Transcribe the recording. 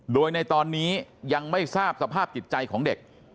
โดยในตอนนี้ยังไม่ทราบสภาพจิตใจของเด็ก